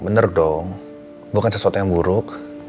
bener dong bukan sesuatu yang buruk